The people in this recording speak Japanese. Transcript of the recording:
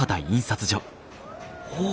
おお。